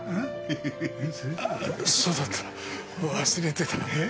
ああそうだった忘れてた。